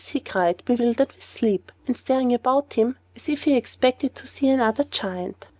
he cried, bewildered with sleep, and staring about him as if he expected to see another Giant.